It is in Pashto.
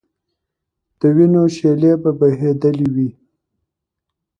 د وینو شېلې به بهېدلې وي.